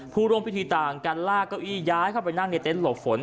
ผู้ร่วมพิธีต่างกันลากเก้าอี้ย้ายเข้าไปนั่งในเต็นต์หลบฝน